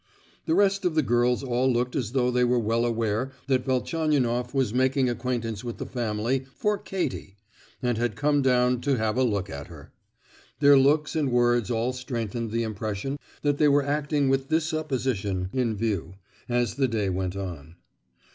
The rest of the girls all looked as though they were well aware that Velchaninoff was making acquaintance with the family "for Katie," and had come down "to have a look at her." Their looks and words all strengthened the impression that they were acting with this supposition in view, as the day went on.